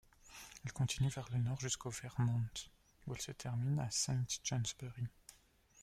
Elle continue vers le nord jusqu'au Vermont, où elle se termine à Saint-Johnsbury.